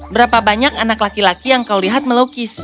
berapa banyak anak laki laki yang kau lihat melukis